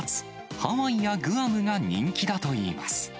ハワイやグアムが人気だといいます。